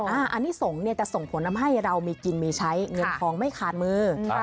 อันนี้ส่งจะส่งผลทำให้เรามีกินมีใช้เงินทองไม่ขาดมือ